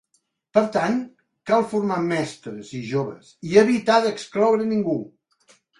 Per tant, cal formar mestres i joves i evitar d’excloure ningú.